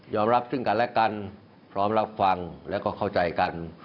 รับซึ่งกันและกันพร้อมรับฟังแล้วก็เข้าใจกัน